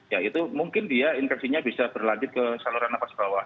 ya itu mungkin dia infeksinya bisa berlanjut ke saluran nafas bawah